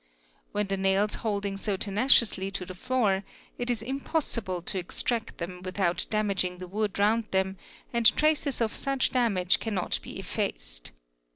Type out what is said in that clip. With the nails holding so tenaciously to the floor it is Impossible to extract them without damaging the wood round them and t aces of such damage cannot be effaced.